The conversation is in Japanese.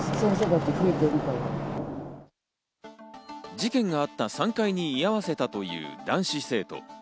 事件があった３階に居合わせたという男子生徒。